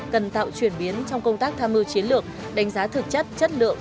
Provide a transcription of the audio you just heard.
cần tạo chuyển biến trong công tác tham mưu chiến lược đánh giá thực chất chất lượng